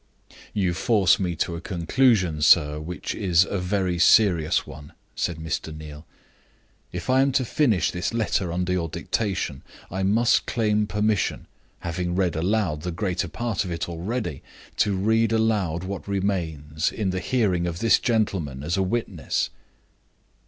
"You force me to a conclusion, sir, which is a very serious one," said Mr. Neal. "If I am to finish this letter under your dictation, I must claim permission having read aloud the greater part of it already to read aloud what remains, in the hearing of this gentleman, as a witness."